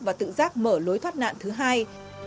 và tự giác mở lối thoát nạn thứ hai